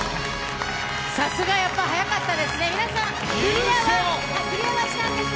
さすがやっぱ早かったですね。